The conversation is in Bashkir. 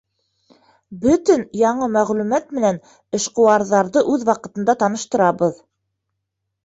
Бөтөн яңы мәғлүмәт менән эшҡыуарҙарҙы үҙ ваҡытында таныштырабыҙ.